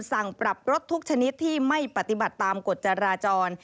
สั่งปรับรถทุกชนิดที่ไม่ปฏิบัติตามกฎจราจร